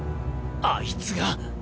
あいつが！